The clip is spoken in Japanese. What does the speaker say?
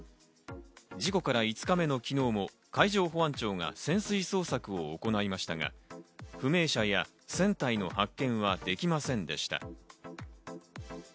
事故から５日目の昨日も海上保安庁が潜水捜索を行いましたが、不明者や船体の発見はできませんでした。